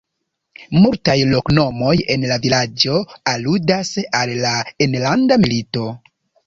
Multaj loknomoj en la vilaĝo aludas al la enlanda milito.